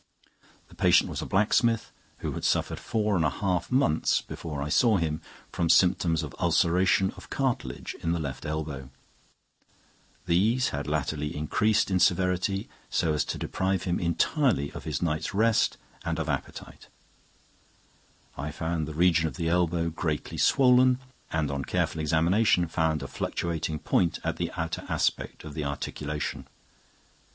The patient was a blacksmith, who had suffered four and a half months before I saw him from symptoms of ulceration of cartilage in the left elbow. These had latterly increased in severity so as to deprive him entirely of his night's rest and of appetite. I found the region of the elbow greatly swollen, and on careful examination found a fluctuating point at the outer aspect of the articulation.